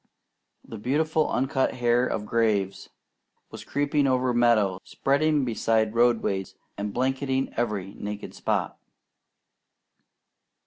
"The beautiful uncut hair of graves" was creeping over meadow, spreading beside roadways, and blanketing every naked spot.